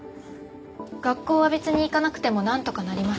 学校は別に行かなくてもなんとかなります。